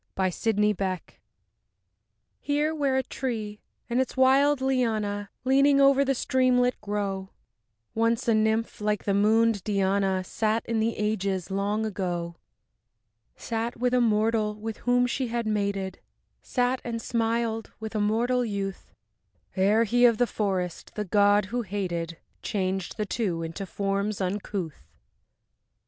VINE AND SYCAMORE I Here where a tree and its wild liana, Leaning over the streamlet, grow, Once a nymph, like the moon'd Diana, Sat in the ages long ago, Sat with a mortal with whom she had mated, Sat and smiled with a mortal youth, Ere he of the forest, the god who hated, Changed the two into forms uncouth....